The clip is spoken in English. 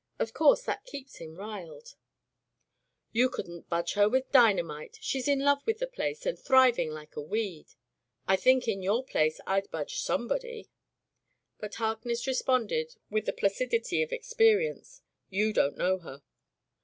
Of course that keeps him riled/' '*You couldn't budge her with dynamite. She's in love with the place, and thriving like a weed." "I think, in your place, Fd budge some body.'' But Harkness responded with the placid ity of experience, "You don't know her."